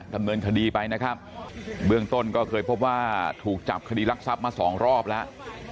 ดำเนินคดีไปนะครับเบื้องต้นก็เคยพบว่าถูกจับคดีรักทรัพย์มาสองรอบแล้ว